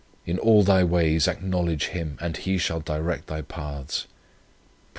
In all thy ways acknowledge Him, and He shall direct thy paths.' Prov.